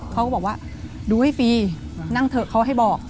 เขาก็บอกว่าดูให้ฟรีนั่งเถอะเขาให้บอก